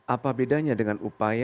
apa bedanya dengan upaya